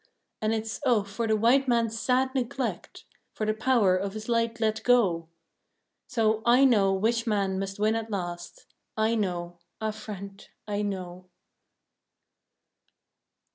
And it's, oh, for the white man's sad neglect, For the power of his light let go! So, I know which man must win at last, I know! Ah, Friend, I know!